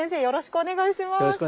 よろしくお願いします。